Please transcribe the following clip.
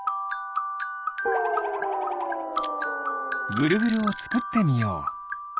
ぐるぐるをつくってみよう。